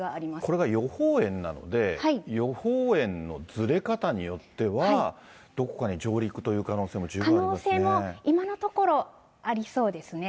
これが予報円なので、予報円のずれ方によっては、どこかに上陸という可能性も十分ありますね。